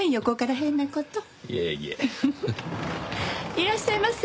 いらっしゃいませ。